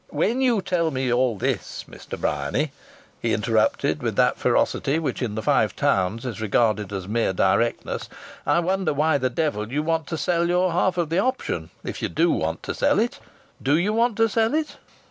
"When you tell me all this, Mr. Bryany," he interrupted with that ferocity which in the Five Towns is regarded as mere directness, "I wonder why the devil you want to sell your half of the option if you do want to sell it. Do you want to sell it?"